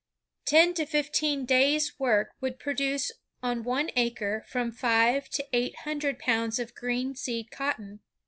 Ten to fifteen days' work would produce on one acre from five to eight htmdred pounds of green seed cotton.